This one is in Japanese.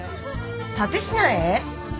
蓼科へ？